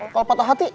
kalau patah hati